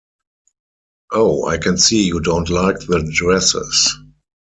Oh, I can see you don’t like the dresses!